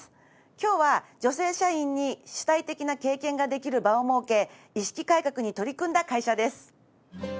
今日は女性社員に主体的な経験ができる場を設け意識改革に取り組んだ会社です。